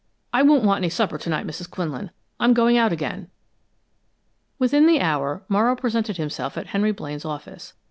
I won't want any supper to night, Mrs. Quinlan. I'm going out again." Within the hour, Morrow presented himself at Henry Blaine's office.